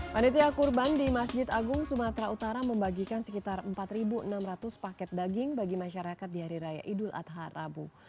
panitia kurban di masjid agung sumatera utara membagikan sekitar empat enam ratus paket daging bagi masyarakat di hari raya idul adha rabu